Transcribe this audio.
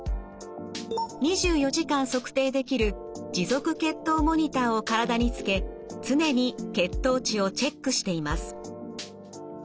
２４時間測定できる持続血糖モニターを体につけ常に血糖値をチェックしています。